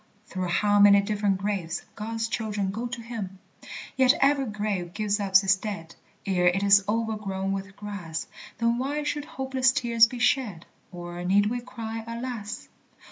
through how many different graves God's children go to him!) Yet every grave gives up its dead Ere it is overgrown with grass; Then why should hopeless tears be shed, Or need we cry, "Alas"?